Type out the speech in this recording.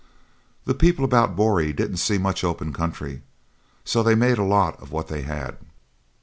The people about Boree didn't see much open country, so they made a lot out of what they had.